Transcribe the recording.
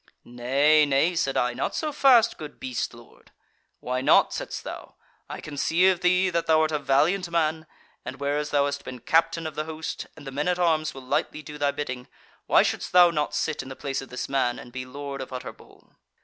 'Nay, nay,' said I, 'not so fast, good beast lord.' 'Why not?' saidst thou, 'I can see of thee that thou art a valiant man, and whereas thou hast been captain of the host, and the men at arms will lightly do thy bidding, why shouldest thou not sit in the place of this man, and be Lord of Utterbol?'